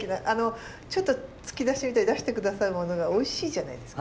ちょっと突き出しみたいに出して下さるものがおいしいじゃないですか。